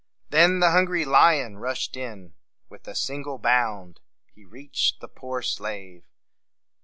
Then the hungry lion rushed in. With a single bound he reached the poor slave.